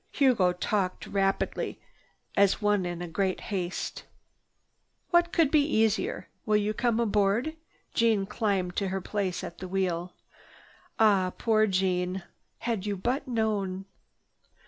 Hugo talked rapidly as one in great haste. "What could be easier? Will you come aboard?" Jeanne climbed to her place at the wheel. Ah, poor Jeanne! Had you but known!